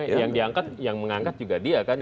yang diangkat yang mengangkat juga dia kan